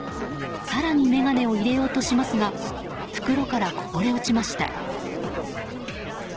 更に眼鏡を入れようとしますが袋からこぼれ落ちました。